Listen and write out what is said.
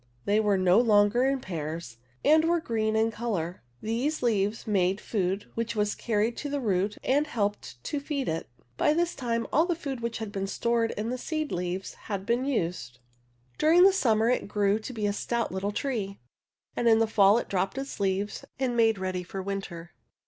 They were no longer in pairs and were green in color. These leaves made food which was carried to the root and helped to feed it By this time all the food which had been stored in the seed leaves had been used (Fig. 5). 5. Baby Oak. 62 During the summer it grew to be a stout little tree. And in the fall it dropped its leaves and made ready for the winter.